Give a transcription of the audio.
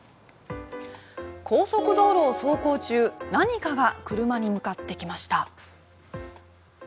高速道路を走行中何かが車に向かってきました。